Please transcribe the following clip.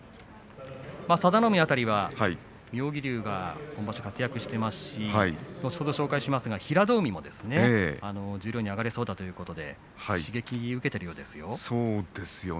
佐田の海辺りは妙義龍も、活躍していますし平戸海もですね十両に上がれそうだということで刺激を受けているようですよ。